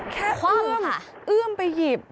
แค่เอื้อมเอื้อมไปหยิบ